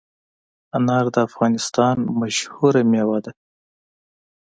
انار د افغانستان مشهور مېوه ده.